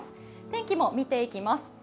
天気も見ていきます。